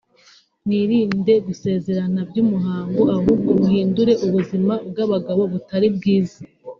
“Mwirinde gusezerana by’umuhango ahubwo muhindure ubuzima mwabagamo butari bwiza